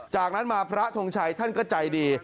จากนั้นมาพระทงชัยท่านก็ใจดี